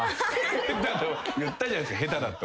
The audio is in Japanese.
言ったじゃないですか下手だって。